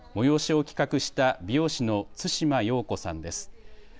催しを企画した美容師の對馬陽子さんです。